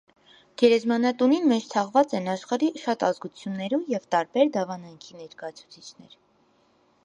Գերեզմանատունին մէջ թաղուած են աշխարհի շատ ազգութիւններու եւ տարբեր դաւանանքի ներկայացուցիչներ։